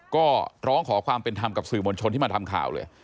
ก็ร้องขอความเป็นธรรมกับสื่อมวลชนที่มาทำข่าวเลย